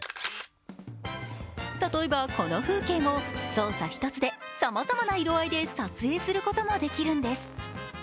例えば、この風景も操作一つでさまざまな色合いで撮影することもできるんです。